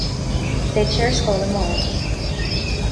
Beidh sé ar scoil amárach